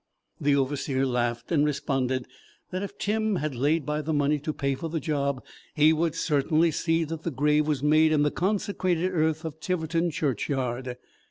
The Overseer laughed, and responded that if Tim had laid by the money to pay for the job, he would certainly see that the grave was made in the consecrated earth of Tiverton churchyard.